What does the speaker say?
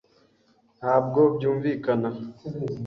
Ntabwo byumvikana.